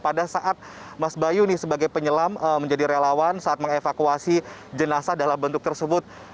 pada saat mas bayu nih sebagai penyelam menjadi relawan saat mengevakuasi jenazah dalam bentuk tersebut